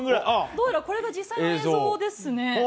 どうやら、これが実際の映像ですね。